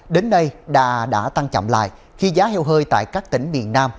đến nay đà đã tăng chậm lại khi giá heo hơi tại các tỉnh miền nam